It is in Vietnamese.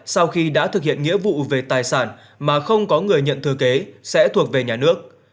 sau khi đã thực hiện nghĩa vụ về tài sản mà không có người nhận thừa kế sẽ thuộc về nhà nước